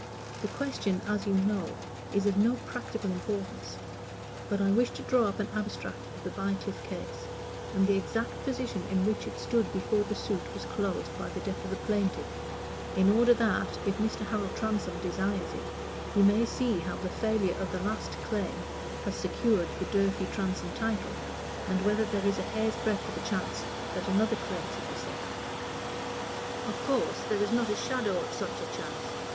The question, as you know, is of no practical importance; but I wish to draw up an abstract of the Bycliffe case, and the exact position in which it stood before the suit was closed by the death of the plaintiff, in order that, if Mr. Harold Transome desires it, he may see how the failure of the last claim has secured the Durfey Transome title, and whether there is a hair's breadth of chance that another claim should be set up. Of course there is not a shadow of such a chance.